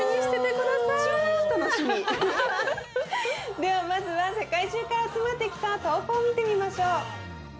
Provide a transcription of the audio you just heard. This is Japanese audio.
ではまずは世界中から集まってきた投稿を見てみましょう。